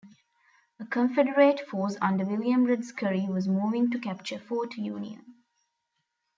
A Confederate force under William Read Scurry was moving to capture Fort Union.